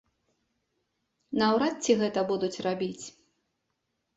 Наўрад ці гэта будуць рабіць.